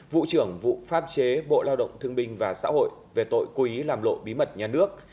vụ trưởng vụ pháp chế bộ lao động thương bình và xã hội về tội quý làm lộ bí mật nhà nước